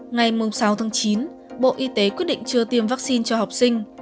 ngày sáu tháng chín bộ y tế quyết định chưa tiêm vaccine cho học sinh